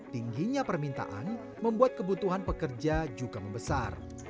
tingginya permintaan membuat kebutuhan pekerja juga membesar